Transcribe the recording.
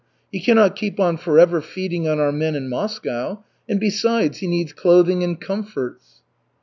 He cannot keep on forever feeding on our men in Moscow. And besides, he needs clothing and comforts."